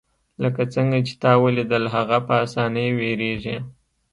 لکه څنګه چې تا ولیدل هغه په اسانۍ ویریږي